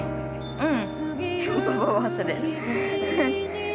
うん。